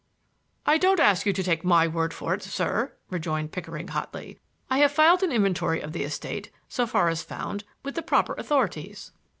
"I don't ask you to take my word for it, sir," rejoined Pickering hotly. "I have filed an inventory of the estate, so far as found, with the proper authorities."